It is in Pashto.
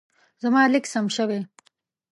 زما لیک سم شوی.